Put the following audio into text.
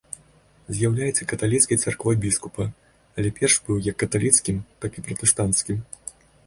З'яўляецца каталіцкай царквой біскупа, але перш быў як каталіцкім, так і пратэстанцкім.